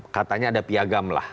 katanya ada piagam lah